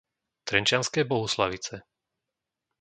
Trenčianske Bohuslavice